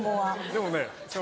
でもね